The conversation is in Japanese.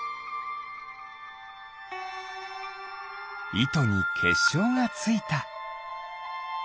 いとにけっしょうがついた。